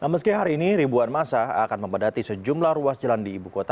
meski hari ini ribuan masa akan membadati sejumlah ruas jalan di ibu kota